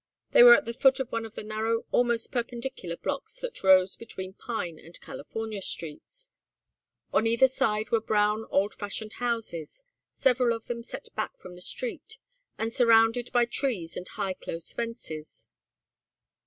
They were at the foot of one of the narrow almost perpendicular blocks that rose between Pine and California streets. On either side were brown old fashioned houses, several of them set back from the street, and surrounded by trees and high close fences.